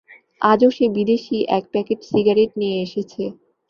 আজও সে বিদেশি এক প্যাকেট সিগারেট নিয়ে এসেছে।